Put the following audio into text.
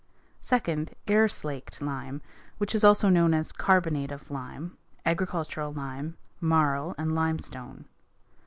Second, air slaked lime, which is also known as carbonate of lime, agricultural lime, marl, and limestone.